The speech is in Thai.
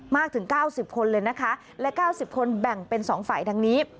ถึง๙๐คนเลยนะคะและ๙๐คนแบ่งเป็น๒ฝ่ายดังนี้